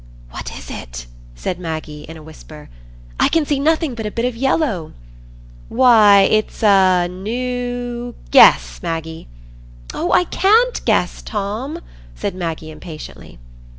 "What is it?" said Maggie, in a whisper. "I can see nothing but a bit of yellow." "Why, it's—a—new—guess, Maggie!" "Oh, I can't guess, Tom," said Maggie, impatiently.